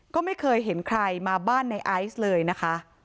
ก็ไม่เคยเห็นใครมาบ้านในไอซ์เลยนะคะ